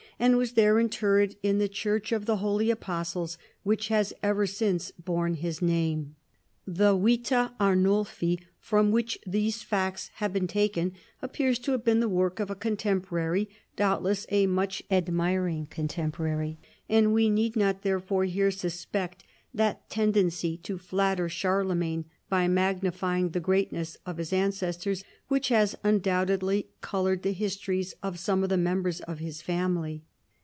and was there interred in the church of the Holy Apostles, which has ever since borne his name. The Vita Arnulji, from which these facts liave been taken, appears to have been the work of aeon temporary (doubtless a much admiring contem porary), and we need not therefore here suspect that tendency to flatter Charlemagne by magnifying the greatness of his ancestors which has undoubtedly colored the histories of some of the members of his family.